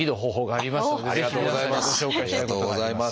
ありがとうございます！